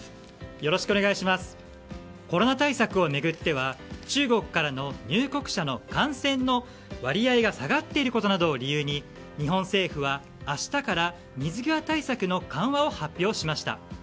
コロナ対策を巡っては中国からの入国者の感染の割合が下がっていることなどを理由に日本政府は明日から水際対策の緩和を発表しました。